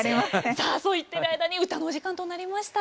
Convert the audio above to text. さあそう言ってる間に歌のお時間となりました。